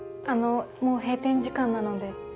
あのもう閉店時間なので。